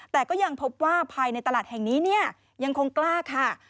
แต่ก็ยังพบว่าภายในตลาดแห่งนี้เนี่ยยังคงกล้าค่ะ